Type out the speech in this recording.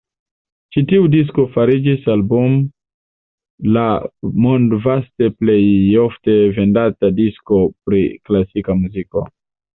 Ĉi tiu disko fariĝis Album la mondvaste plejofte vendata disko pri klasika muziko.